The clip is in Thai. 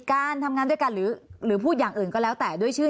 การทำงานด้วยกันหรือพูดอย่างอื่นก็แล้วแต่ด้วยชื่อ